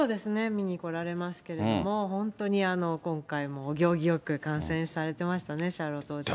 見に来られますけれども、本当に今回もお行儀よく観戦されてましたね、シャーロット王女ね。